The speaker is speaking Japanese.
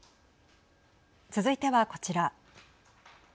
続いてはこちら。